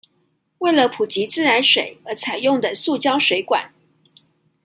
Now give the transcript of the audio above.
為了普及自來水而採用的塑膠水管